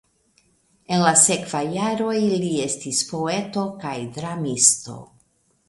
En la sekvaj jaroj li estis poeto kaj dramisto.